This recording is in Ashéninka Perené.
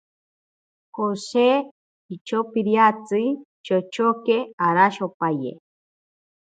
Joshe ichopiriatsi chochoke arashopaye.